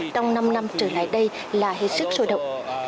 trong năm năm trở lại đây là hết sức sôi động